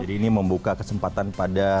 jadi ini membuka kesempatan pada